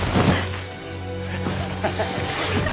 ハハハハハ。